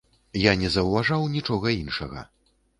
Я не заўважаў нічога іншага.